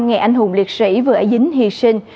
ngày anh hùng liệt sĩ vừa ở dính hy sinh